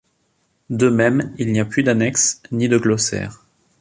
De même, il n'y a plus d'annexes, ni de glossaire.